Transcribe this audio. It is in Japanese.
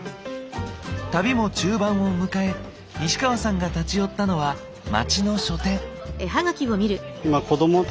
旅も中盤を迎え西川さんが立ち寄ったのは街の書店。